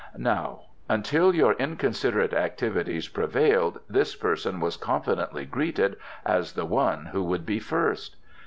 Now, until your inconsiderate activities prevailed, this person was confidently greeted as the one who would be first."